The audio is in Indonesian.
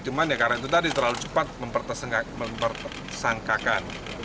cuman ya karena itu tadi terlalu cepat mempersangkakan